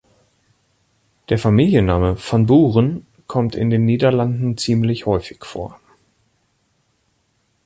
Der Familienname "Van Buren" kommt in den Niederlanden ziemlich häufig vor.